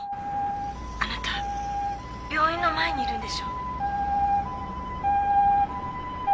☎あなた病院の前にいるんでしょう？